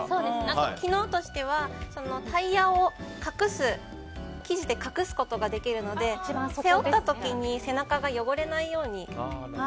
機能としてはタイヤを生地で隠すことができるので背負った時に背中が汚れないように。